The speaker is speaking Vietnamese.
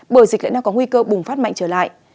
bởi dịch lại đang có nguy cơ bùng phát mạnh trở lại